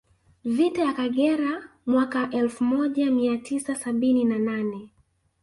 Vita ya Kagera mwaka elfu moja mia tisa sabini na nane